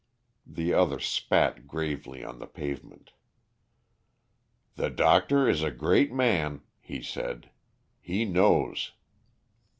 The other spat gravely on the pavement. "The doctor is a great man," he said. "He knows.